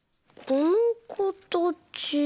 このかたち。